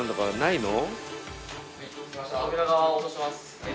はい。